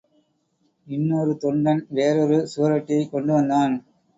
இன்னொரு தொண்டன், வேறொரு சுவரொட்டியைக் கொண்டுவந்தான்.